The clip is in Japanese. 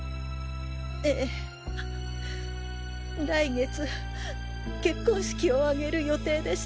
ええ来月結婚式を挙げる予定でした。